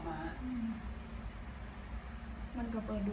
อาทิตย์ไม่ควรล่ะ